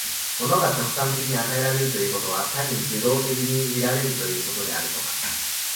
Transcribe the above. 物が直観的に与えられるということは、単に受働的に見られることであるとか、